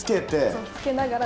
そうつけながら。